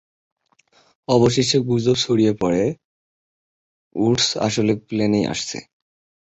অবশেষে, গুজব ছড়িয়ে পড়ে যে উডস আসলে প্লেনেই আছেন।